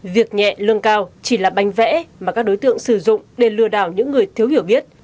việc nhẹ lương cao chỉ là bánh vẽ mà các đối tượng sử dụng để lừa đảo những người thiếu hiểu biết